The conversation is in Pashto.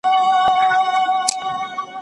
د اقتصادي عواملو پیژندل مهم دي.